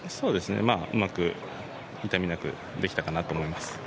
うまく痛みなく、できたかなと思います。